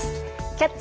「キャッチ！